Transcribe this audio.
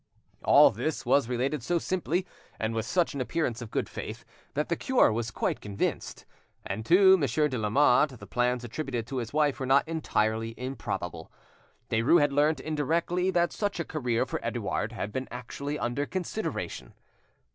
All this was related so simply, and with such an appearance of good faith, that the cure was quite convinced. And to Monsieur de Lamotte the plans attributed to his wife were not entirely improbably. Derues had learnt indirectly that such a career for Edouard had been actually under consideration.